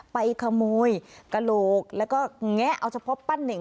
ไปขโมยกระโหลกแล้วก็แงะเอาเฉพาะปั้นเน่ง